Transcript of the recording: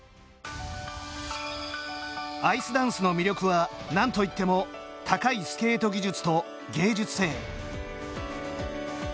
アイスダンスの魅力はなんといっても高いスケート技術と芸術性。